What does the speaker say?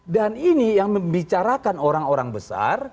dan ini yang membicarakan orang orang besar